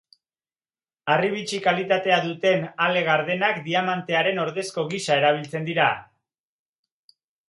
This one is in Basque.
Harribitxi-kalitatea duten ale gardenak diamantearen ordezko gisa erabiltzen dira.